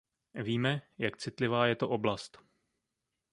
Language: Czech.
Víme, jak citlivá je to oblast.